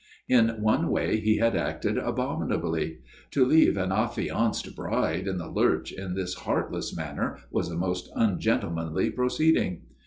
In one way he had acted abominably. To leave an affianced bride in the lurch in this heartless manner was a most ungentlemanly proceeding.